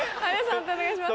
判定お願いします。